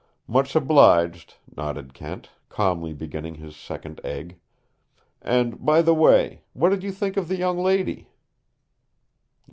"Much obliged," nodded Kent, calmly beginning his second egg. "And, by the way, what did you think of the young lady?"